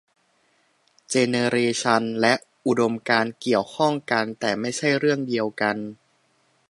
เจเนเรชันและอุดมการณ์เกี่ยวข้องกันแต่ไม่ใช่เรื่องเดียวกัน